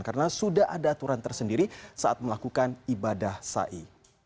karena sudah ada aturan tersendiri saat melakukan ibadah sa'i